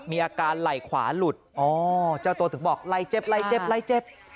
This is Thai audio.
มีอาการไหล่ขวาหลุดอ๋อเจ้าตัวถึงบอกไล่เจ็บไล่เจ็บไล่เจ็บ